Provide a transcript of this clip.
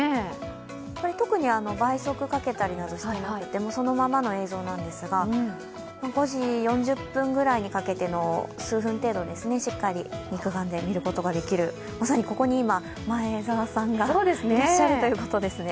特に倍速かけたりしてなくてそのままの映像なんですが５時４０分ぐらいにかけての数分程度ですね、しっかり肉眼で見ることができる、まさにここに前澤さんがいらっしゃるということですね。